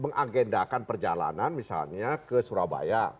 mengagendakan perjalanan misalnya ke surabaya